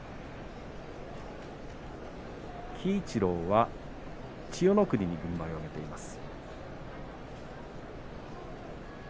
鬼一郎は千代の国に軍配を上げています。